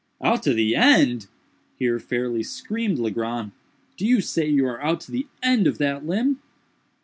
"Out to the end!" here fairly screamed Legrand, "do you say you are out to the end of that limb?"